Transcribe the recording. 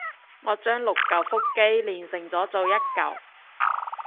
我將六舊腹肌鍊成咗做一舊